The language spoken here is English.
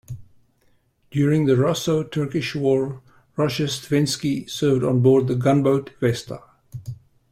During the Russo Turkish War Rozhestvensky served on board the gunboat "Vesta".